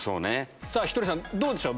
ひとりさんどうでしょう？